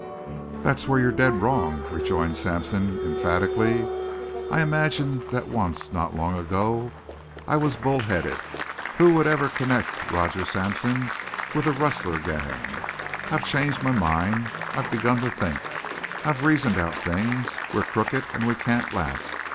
"There's where you're dead wrong," rejoined Sampson, emphatically. "I imagined that once, not long ago. I was bull headed. Who would ever connect Roger Sampson with a rustler gang? I've changed my mind. I've begun to think. I've reasoned out things. We're crooked and we can't last.